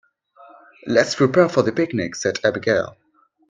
"Let's prepare for the picnic!", said Abigail.